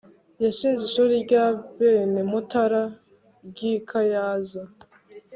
yashinze ishuri ry'abenemutara ry' i kanyaza